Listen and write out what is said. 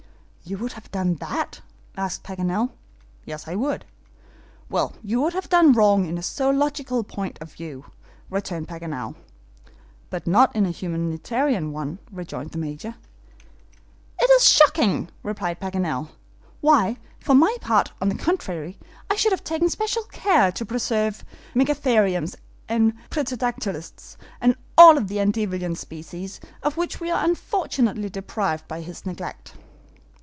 "You would have done that?" asked Paganel. "Yes, I would." "Well, you would have done wrong in a zoological point of view," returned Paganel. "But not in a humanitarian one," rejoined the Major. "It is shocking!" replied Paganel. "Why, for my part, on the contrary, I should have taken special care to preserve megatheriums and pterodactyles, and all the antediluvian species of which we are unfortunately deprived by his neglect."